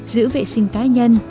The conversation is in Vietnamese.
giữ vệ sinh cá nhân